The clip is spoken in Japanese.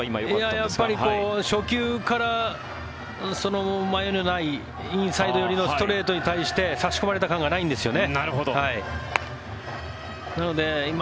やっぱり初球から迷いのないインサイド寄りのストレートに対して差し込まれた感がないんですよね。